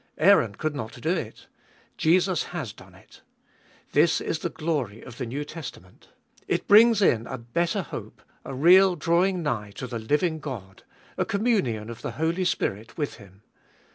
Aaron could not do it ; Jesus has done it. This is the glory of the New Testament ; it brings in a better hope, a real drawing nigh to the living God, a communion of the Holy Spirit with Him.